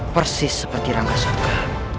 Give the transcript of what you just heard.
persis seperti rangka soka